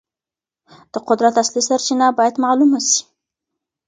د قدرت اصلي سرچینه باید معلومه سي.